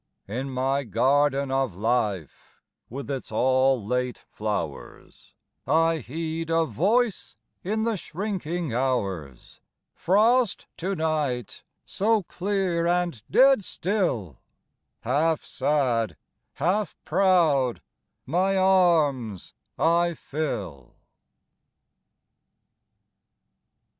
.... .In my garden of Life with its all late flowersI heed a Voice in the shrinking hours:"Frost to night—so clear and dead still" …Half sad, half proud, my arms I fill.